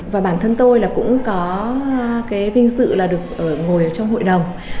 và bản thân tôi là cũng có cái vinh dự là được ngồi ở trong hội đồng